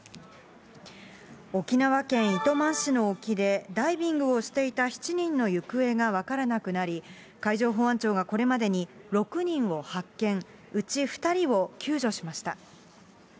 沖縄県糸満市の沖で、ダイビングをしていた７人の行方が分からなくなり、海上保安庁がこれまでに６人を発見、うち２人を救助しました。